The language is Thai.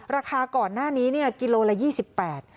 ราคาก่อนหน้านี้เนี่ยกิโลละยี่สิบแปด